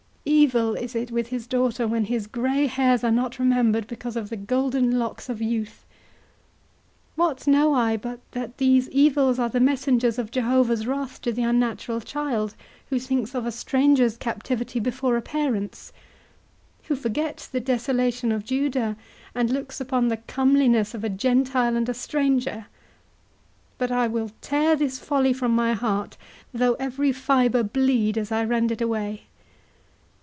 evil is it with his daughter, when his grey hairs are not remembered because of the golden locks of youth!—What know I but that these evils are the messengers of Jehovah's wrath to the unnatural child, who thinks of a stranger's captivity before a parent's? who forgets the desolation of Judah, and looks upon the comeliness of a Gentile and a stranger?—But I will tear this folly from my heart, though every fibre bleed as I rend it away!"